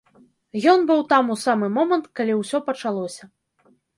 Ён быў там у самы момант, калі ўсё пачалося.